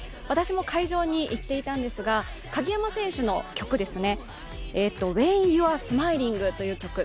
私も会場に行っていたんですが鍵山選手の曲「ウェン・ユア・スマイリング」という曲。